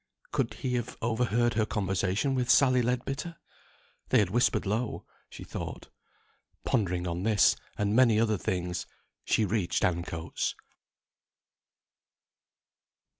Could he have overheard her conversation with Sally Leadbitter? They had whispered low, she thought. Pondering on this, and many other things, she reached Ancoats.